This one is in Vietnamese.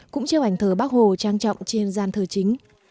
cũng treo ảnh thờ bác hồ trang trọng trên gian thờ chính